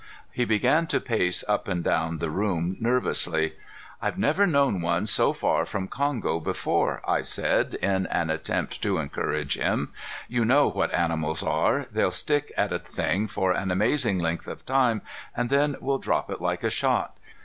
He began to pace up and down the room nervously. "I've never known one so far from Kongo before," I said, in an attempt to encourage him. "You know what animals are. They'll stick at a thing for an amazing length of time and then will drop it like a shot.